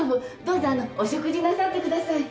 どうぞあのお食事なさってください。